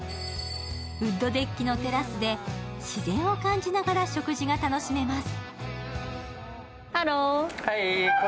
ウッドデッキのテラスで自然を感じながら食事が楽しめます。